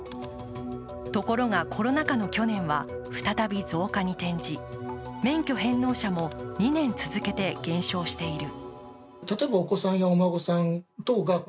ところが、コロナ禍の去年は再び増加に転じ、免許返納者も２年続けて減少している。